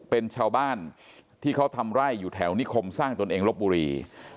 เป็นชาวบ้านที่เขาทำไร่อยู่แถวนิคมสร้างตนเองลบบุรี